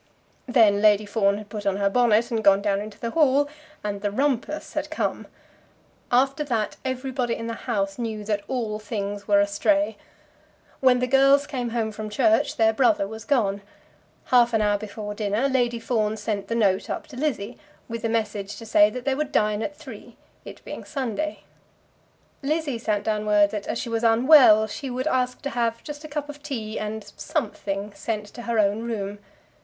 Then Lady Fawn had put on her bonnet and gone down into the hall, and the "rumpus" had come. After that, everybody in the house knew that all things were astray. When the girls came home from church, their brother was gone. Half an hour before dinner Lady Fawn sent the note up to Lizzie, with a message to say that they would dine at three, it being Sunday. Lizzie sent down word that as she was unwell, she would ask to have just a cup of tea and "something" sent to her own room.